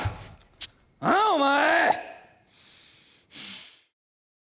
ああお前！